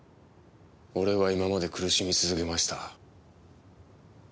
俺は今まで苦しみ続けました。